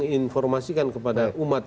informasikan kepada umat